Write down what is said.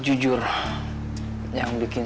jujur yang bikin